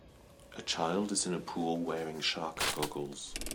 A child is in a pool wearing shark goggles.